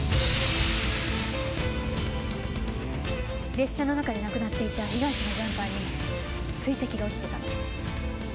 列車の中で亡くなっていた被害者のジャンパーに水滴が落ちてた。